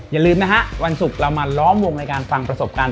อย่าลืมนะฮะวันศุกร์เรามาล้อมวงในการฟังประสบการณ์